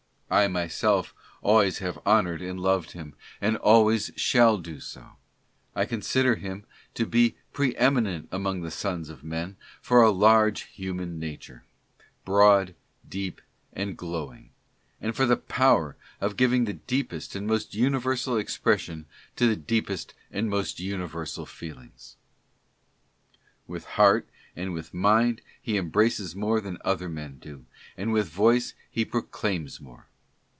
I myself always have honored and loved him, and always shall do so. I consider him to be pre eminent among the sons of men for a large human nature — broad, deep and glowing — and for the power of giving the deepest and most universal expression to the deepest and most universal feelings. With heart and with mind he embraces more than other men do, and with voice he proclaims more.